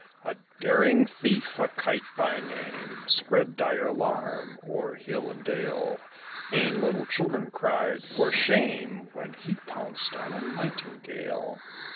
A Daring thief, a Kite by name, Spread dire alarm o'er hill and dale. E'en little children cried, "For shame!" When he pounced on a Nightingale.